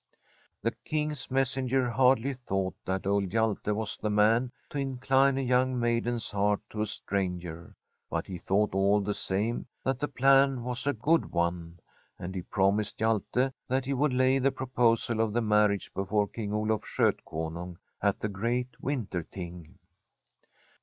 The King's messenger hardly thought that old Hjalte was the man to incline a young maiden's heart to a stranger ; but he thought, all the same, that the plan was a good one ; and he promised Hjalte that he would lay the proposal of the marriage before King Oluf Skotkonung at the great Winter Ting.